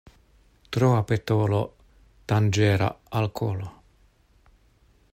Troa petolo danĝera al kolo.